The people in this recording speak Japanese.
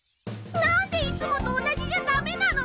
何でいつもと同じじゃ駄目なの！？